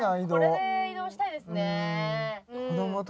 これで移動したいですね